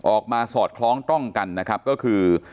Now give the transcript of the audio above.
สอดคล้องต้องกันนะครับก็คือ